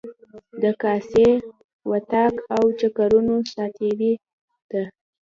د کاسې، وطاق او چکرونو ساعتیري ده.